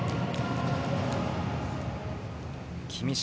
君嶋、